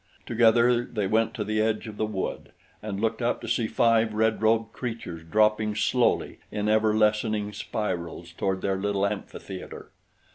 Together they went to the edge of the wood and looked up to see five red robed creatures dropping slowly in ever lessening spirals toward their little amphitheater.